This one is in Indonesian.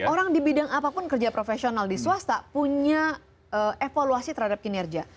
orang di bidang apapun kerja profesional di swasta punya evaluasi terhadap kinerja